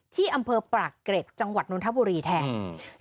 ที่อำเภอปากเกร็ดจังหวัดนทบุรีแทน